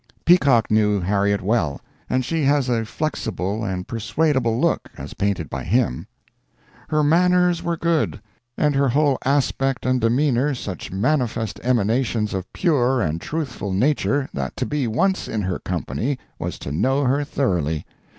Peacock knew Harriet well, and she has a flexible and persuadable look, as painted by him: "Her manners were good, and her whole aspect and demeanor such manifest emanations of pure and truthful nature that to be once in her company was to know her thoroughly.